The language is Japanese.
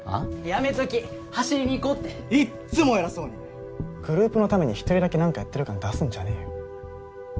やめとき走りに行こうっていっつも偉そうにグループのために一人だけ何かやってる感出すんじゃねえよ